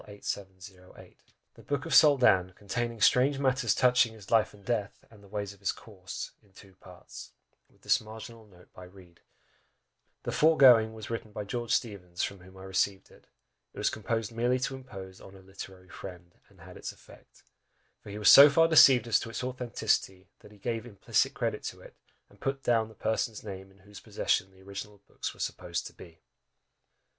"The Boke of the Soldan, conteyninge strange matters touchynge his lyfe and deathe, and the ways of his course, in two partes, 12mo," with this marginal note by Reed "The foregoing was written by George Steevens, Esq., from whom I received it. It was composed merely to impose on 'a literary friend,' and had its effect; for he was so far deceived as to its authenticity, that he gave implicit credit to it, and put down the person's name in whose possession the original books were supposed to be."